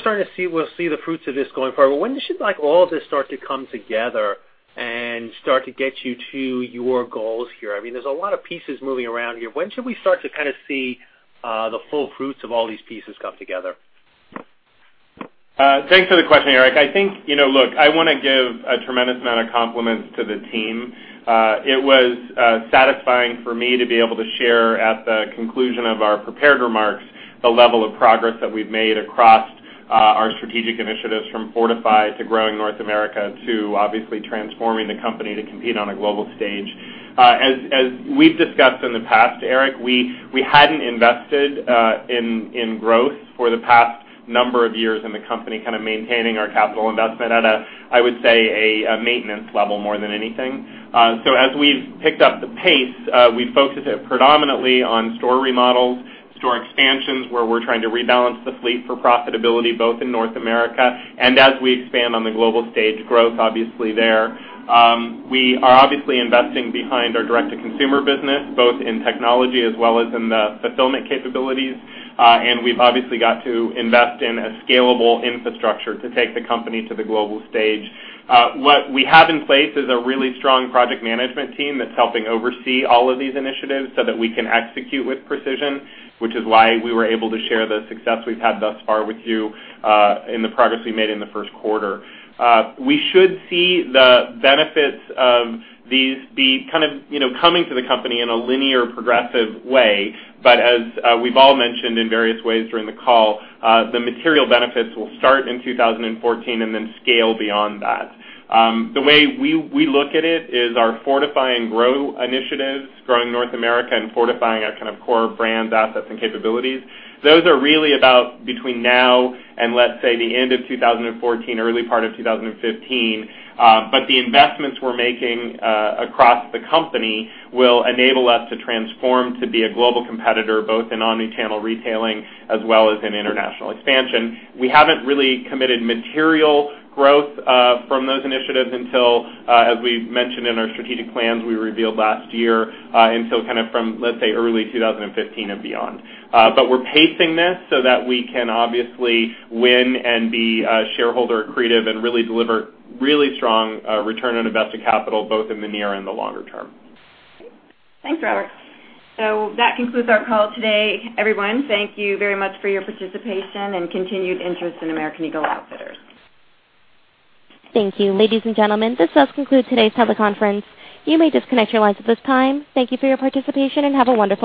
starting to see the fruits of this going forward, when should all of this start to come together and start to get you to your goals here? There's a lot of pieces moving around here. When should we start to kind of see the full fruits of all these pieces come together? Thanks for the question, Eric. Look, I want to give a tremendous amount of compliments to the team. It was satisfying for me to be able to share at the conclusion of our prepared remarks, the level of progress that we've made across our strategic initiatives, from Fortify to growing North America, to obviously transforming the company to compete on a global stage. As we've discussed in the past, Eric, we hadn't invested in growth for the past number of years in the company, kind of maintaining our capital investment at a, I would say, a maintenance level more than anything. As we've picked up the pace, we've focused it predominantly on store remodels, store expansions, where we're trying to rebalance the fleet for profitability, both in North America and as we expand on the global stage growth, obviously there. We are obviously investing behind our direct-to-consumer business, both in technology as well as in the fulfillment capabilities. We've obviously got to invest in a scalable infrastructure to take the company to the global stage. What we have in place is a really strong project management team that's helping oversee all of these initiatives so that we can execute with precision, which is why we were able to share the success we've had thus far with you and the progress we made in the first quarter. We should see the benefits of these coming to the company in a linear, progressive way. As we've all mentioned in various ways during the call, the material benefits will start in 2014 and then scale beyond that. The way we look at it is our Fortify and Grow initiatives, growing North America and fortifying our core brands, assets, and capabilities. Those are really about between now and, let's say, the end of 2014, early part of 2015. The investments we're making across the company will enable us to transform to be a global competitor, both in omni-channel retailing as well as in international expansion. We haven't really committed material growth from those initiatives until, as we've mentioned in our strategic plans we revealed last year, until early 2015 and beyond. We're pacing this so that we can obviously win and be shareholder accretive and really deliver really strong return on invested capital, both in the near and the longer term. Great. Thanks, Robert. That concludes our call today, everyone. Thank you very much for your participation and continued interest in American Eagle Outfitters. Thank you. Ladies and gentlemen, this does conclude today's teleconference. You may disconnect your lines at this time. Thank you for your participation, and have a wonderful day.